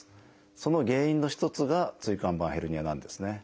その原因の一つが椎間板ヘルニアなんですね。